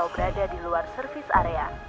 atau berada di luar servis area